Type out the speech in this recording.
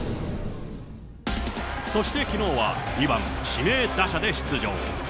そしてきのうは、２番指名打者で出場。